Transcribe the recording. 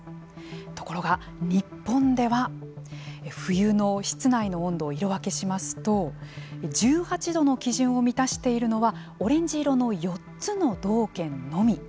ところが、日本では冬の室内の温度を色分けしますと１８度の基準を満たしているのはオレンジ色の４つの道県のみ。